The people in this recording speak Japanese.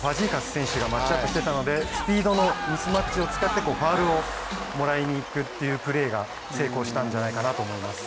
選手がマッチアップしていたのでスピードのミスマッチを使ってファウルをもらいにいくっていうプレーが成功したんじゃないかと思います。